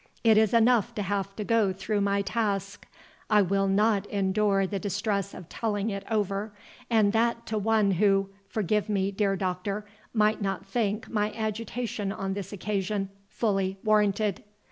It is enough to have to go through my task, I will not endure the distress of telling it over, and that to one who—forgive me, dear Doctor—might not think my agitation on this occasion fully warranted."